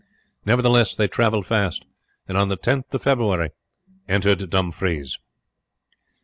Nevertheless, they travelled fast, and on the 10th of February entered Dumfries.